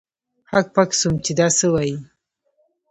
هک پک سوم چې دا څه وايي.